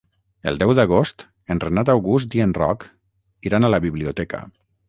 El deu d'agost en Renat August i en Roc iran a la biblioteca.